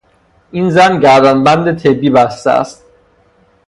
این زن گردن بند طبی بسته است..